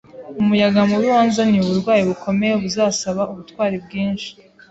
Umuyaga mubi wanzaniye uburwayi bukomeye buzasaba ubutwari bwinshi,